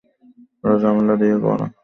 ওরা ঝামেলা দিয়েই গড়া।